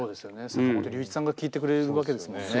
坂本龍一さんが聴いてくれるわけですもんね。